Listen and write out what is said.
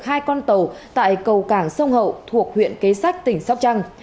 hai con tàu tại cầu cảng sông hậu thuộc huyện kế sách tỉnh sóc trăng